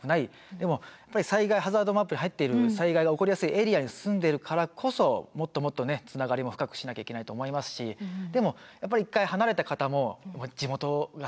でもやっぱり災害ハザードマップに入っている災害が起こりやすいエリアに住んでいるからこそもっともっとねつながりも深くしなきゃいけないと思いますしでもやっぱり１回離れた方も地元が好きなんだなって。